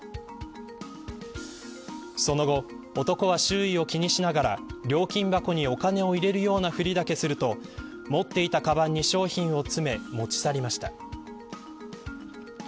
その後、男は周囲を気にしながら料金箱にお金を入れるようなふりだけすると持っていたかばんに商品を詰め持ち去りました。